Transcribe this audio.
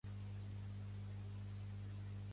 Què recrimina a Torra?